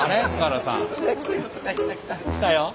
来たよ。